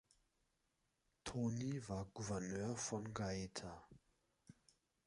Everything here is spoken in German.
Tonti war Gouverneur von Gaeta.